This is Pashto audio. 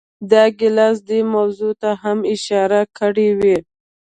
ډاګلاس دې موضوع ته هم اشارې کړې وې